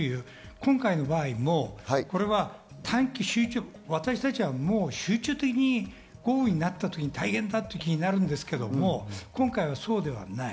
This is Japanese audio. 今回の場合も短期集中で、私たちは集中豪雨になったときは大変だとなるんですけれど、今回はそうではない。